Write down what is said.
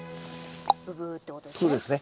ブブーってことですね？